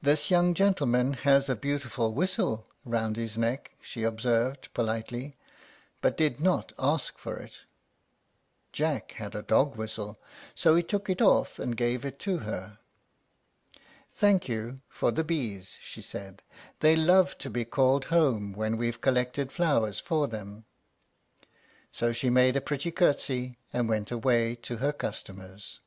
"This young gentleman has a beautiful whistle round his neck," she observed, politely, but did not ask for it. Jack had a dog whistle, so he took it off and gave it to her. "Thank you for the bees," she said. "They love to be called home when we've collected flowers for them." So she made a pretty little courtesy, and went away to her customers.